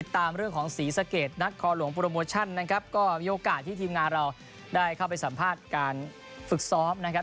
ตามเรื่องของศรีสะเกดนักคอหลวงโปรโมชั่นนะครับก็มีโอกาสที่ทีมงานเราได้เข้าไปสัมภาษณ์การฝึกซ้อมนะครับ